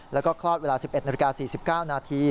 แล้วก็คลอดเวลา๑๑นาฬิกา๔๙นาที